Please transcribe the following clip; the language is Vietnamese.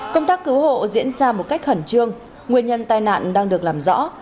công tác cứu hộ diễn ra một cách khẩn trương nguyên nhân tai nạn đang được làm rõ